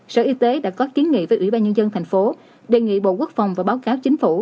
sở y tế đã có kiến nghị với ủy ban nhân dân thành phố đề nghị bộ quốc phòng và báo cáo chính phủ